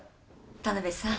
田辺さん